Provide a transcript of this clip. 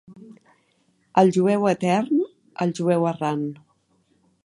El jueu etern, el jueu errant.